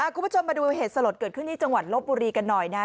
คุณผู้ชมมาดูเหตุสลดเกิดขึ้นที่จังหวัดลบบุรีกันหน่อยนะ